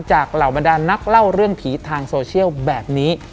เหล่าบรรดานนักเล่าเรื่องผีทางโซเชียลแบบนี้